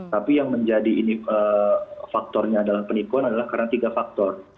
tapi yang menjadi faktornya adalah penipuan adalah karena tiga faktor